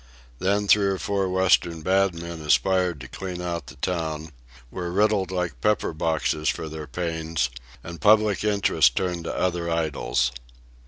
Then three or four western bad men aspired to clean out the town, were riddled like pepper boxes for their pains, and public interest turned to other idols.